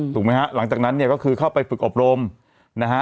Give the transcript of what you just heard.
ถูกไหมฮะหลังจากนั้นเนี่ยก็คือเข้าไปฝึกอบรมนะฮะ